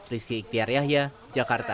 rizky iktiar yahya jakarta